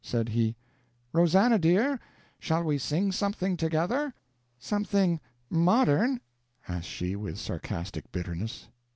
Said he: "Rosannah, dear, shall we sing something together?" "Something modern?" asked she, with sarcastic bitterness.